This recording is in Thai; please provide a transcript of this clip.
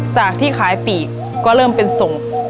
จากที่ขายปีกก็เริ่มเป็นส่ง